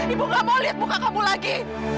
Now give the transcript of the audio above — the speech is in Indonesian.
ibu gak mau lihat buka kamu lagi